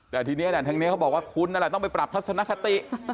แต่ทีนี้ทางนี้เขาบอกว่าคุณนั่นแหละต้องไปปรับทัศนคติ